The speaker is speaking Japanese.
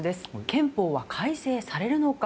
憲法は改正されるのか？